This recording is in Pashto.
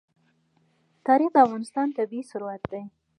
تاریخ د افغانستان طبعي ثروت دی.